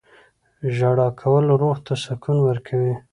• ژړا کول روح ته سکون ورکوي.